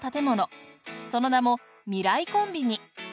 その名も「未来コンビニ」。